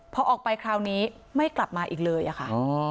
พอออกไปคราวนี้ไม่กลับมาอีกเลยอะค่ะ